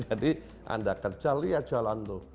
jadi anda kerja lihat jalan tuh